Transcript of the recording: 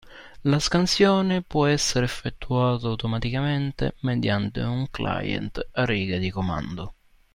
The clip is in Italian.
La scansione può essere effettuata automaticamente mediante un client a riga di comando.